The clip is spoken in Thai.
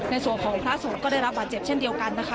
ในส่วนของพระสวดก็ได้รับบาดเจ็บเช่นเดียวกันนะคะ